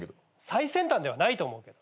最先端ではないと思うけど。